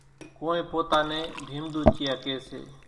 ڪونئين پوتا نين ڀيمۮوچيئا ڪيَ سي۔